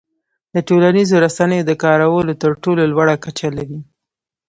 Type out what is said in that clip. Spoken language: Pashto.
د ټولنیزو رسنیو د کارولو تر ټولو لوړه کچه لري.